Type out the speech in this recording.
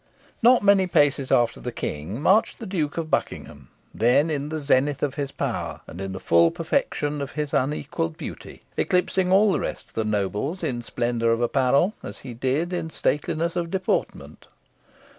Not many paces after the King marched the Duke of Buckingham, then in the zenith of his power, and in the full perfection of his unequalled beauty, eclipsing all the rest of the nobles in splendour of apparel, as he did in stateliness of deportment.